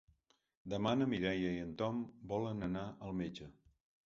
Demà na Mireia i en Tom volen anar al metge.